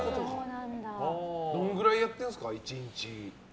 どれぐらいやってるんですか１日に。